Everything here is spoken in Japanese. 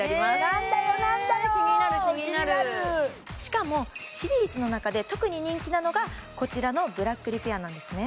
何だよ何だよ気になる気になる気になるしかもシリーズの中で特に人気なのがこちらのブラックリペアなんですね